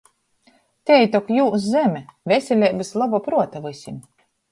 Tei tok jūs zeme! Veseleibys i loba pruota vysim!